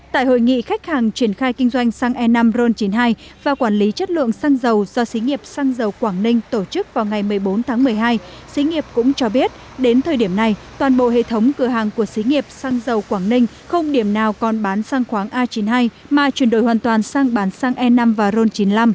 tại hội nghị khách hàng triển khai kinh doanh xăng e năm ron chín mươi hai và quản lý chất lượng xăng dầu do xí nghiệp xăng dầu quảng ninh tổ chức vào ngày một mươi bốn tháng một mươi hai xí nghiệp cũng cho biết đến thời điểm này toàn bộ hệ thống cửa hàng của xí nghiệp xăng dầu quảng ninh không điểm nào còn bán sang khoáng a chín mươi hai mà chuyển đổi hoàn toàn sang bán xăng e năm và ron chín mươi năm